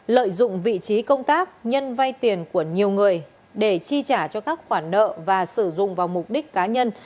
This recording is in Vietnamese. lợi dụng vị trí công tác nhân vay tiền của nhiều người để chi trả cho các khoản nợ và sử dụng vào mục đích cá nhân